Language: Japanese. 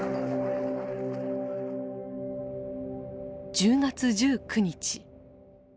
１０月１９日。